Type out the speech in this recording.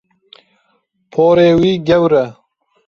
Porê wî gewr e.